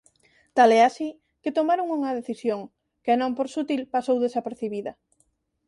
Tal é así, que tomaron unha decisión, que non por sutil pasou desapercibida: